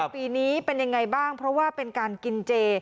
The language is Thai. ปีนี้เป็นยังไงบ้างเพราะว่าเป็นการกินเจ